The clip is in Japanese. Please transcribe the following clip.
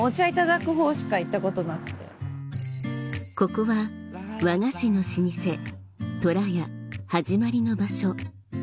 ここは和菓子の老舗とらや始まりの場所